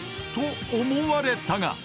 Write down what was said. ［と思われたが］